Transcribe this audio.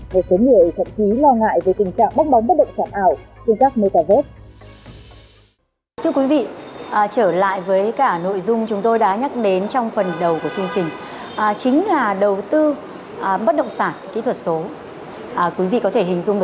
một số người thậm chí lo ngại về tình trạng bóng bóng bất động sản ảo trên các metaverse